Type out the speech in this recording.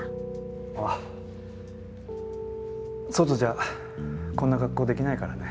ああ外じゃこんな格好できないからね。